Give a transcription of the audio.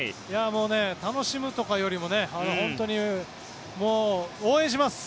楽しむとかよりも本当に、応援します！